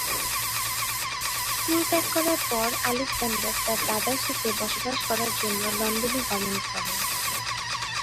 School ত্যাগ করার পর আলেকজান্ডার তার দাদার সাথে বসবাস করার জন্য লন্ডনে গমন করেন।